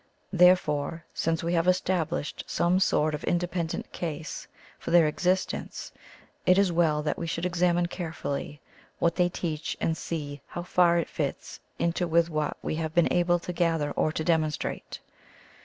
Therefore, since we have established some sort of independent case for their existence, it is well that we should examine carefully what they teach and see how far it fits in with what we have been able to gather or to demonstrate.